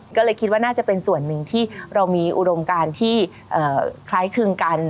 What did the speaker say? ก็เลยคิดว่าน่าจะเป็นส่วนหนึ่งที่เรามีอุดมการที่คล้ายคลึงกัน